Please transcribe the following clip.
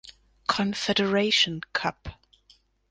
Confederation Cup